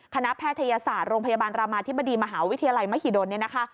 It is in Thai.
คณะแพทยศาสตร์โรงพยาบาลรามาธิบดีมหาวิทยาลัยมหิดล